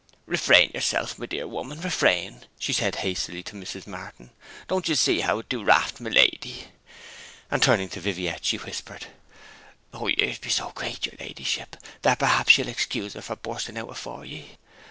'Refrain yourself, my dear woman, refrain!' she said hastily to Mrs. Martin; 'don't ye see how it do raft my lady?' And turning to Viviette she whispered, 'Her years be so great, your ladyship, that perhaps ye'll excuse her for busting out afore ye?